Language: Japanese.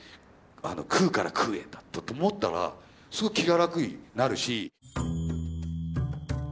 空から空へだと思ったらすごい気が楽になるし。